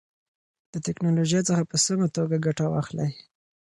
د تکنالوژۍ څخه په سمه توګه ګټه واخلئ.